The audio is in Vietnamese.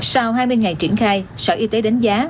sau hai mươi ngày triển khai sở y tế đánh giá